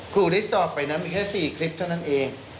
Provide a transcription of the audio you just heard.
ครูได้สอบไปนะมีแค่๔คลิปเท่านั้นเอง